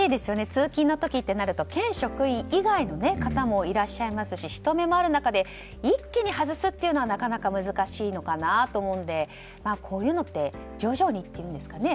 通勤の時となると県職員以外の方もいらっしゃいますし人目もある中で一気に外すというのはなかなか難しいのかなと思うのでこういうのって徐々にっていうんですかね。